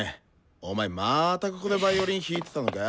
お前またここでヴァイオリン弾いてたのか？